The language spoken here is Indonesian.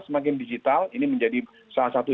semakin digital ini menjadi salah satu